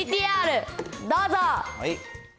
ＶＴＲどうぞ。